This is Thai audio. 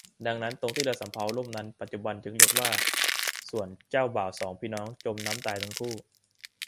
ดังนั้น ตรงที่เรือสำเภาล่มนั้นปัจจุบันจึงเรียกว่า ส่วนเจ้าบ่าวสองพี่น้องจมน้ำตายทั้งคู่